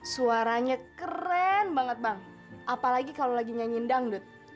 suaranya keren banget bang apalagi kalau lagi nyanyiin dangdut